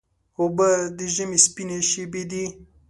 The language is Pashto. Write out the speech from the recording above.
اوبه د ژمي سپینې شېبې دي.